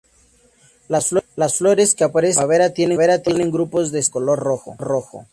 Las flores, que aparecen en primavera, tienen grupos de estambres de color rojo.